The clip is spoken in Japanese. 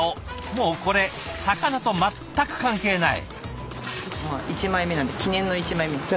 もうこれ魚と全く関係ない。